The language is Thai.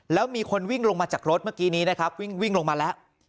แล้วมีคนวิ่งลงมาจากรถเมื่อกี้นี้นะครับวิ่งลงมาแล้ว